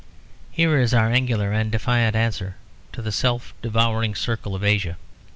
Here is our angular and defiant answer to the self devouring circle of Asia.